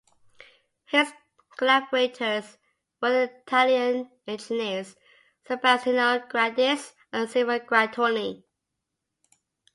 His collaborators were the Italian engineers Sebastiano Grandis and Severino Grattoni.